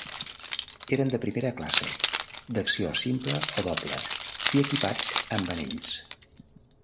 Eren de primera classe, d'acció simple o doble, i equipats amb anells.